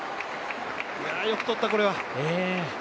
よく取った、これは。